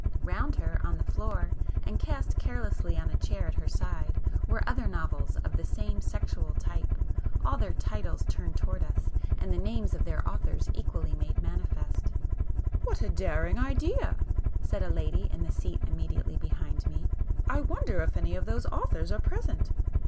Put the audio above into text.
Round her, on the floor, and cast carelessly on a chair at her side, were other novels of the same 'sexual' type,—all their titles turned [p 277] towards us, and the names of their authors equally made manifest. "What a daring idea!" said a lady in the seat immediately behind me—"I wonder if any of those authors are present!"